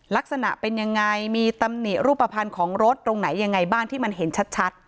ลักษณะเป็นยังไงมีตำหนิรูปภัณฑ์ของรถตรงไหนยังไงบ้างที่มันเห็นชัด